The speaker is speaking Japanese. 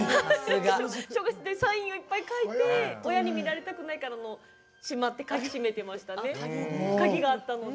サインをいっぱい書いて親に見られたくないからしまって、鍵閉めてましたね。